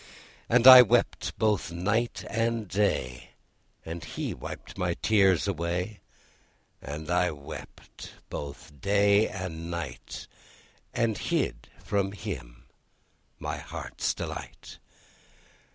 And I wept both night and day, And he wiped my tears away; And I wept both day and night, And hid from him my heart's delight.